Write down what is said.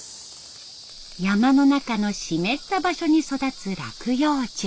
山の中の湿った場所に育つ落葉樹。